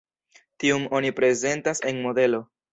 Tiun oni prezentas en modelo.